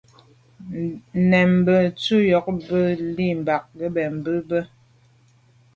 Ndə̂mbə́ jú zə̄ bū jʉ̂ nyɔ̌ŋ lí’ bɑ̌k gə̀ mə́ bí.